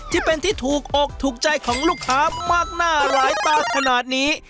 ที่เป็นที่ถูกอกถูกใจของลูกค้ามากหน้าหลายตาขนาดนี้